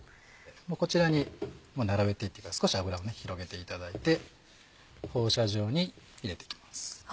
こちらに並べて行って少し油を広げていただいて放射状に入れて行きます。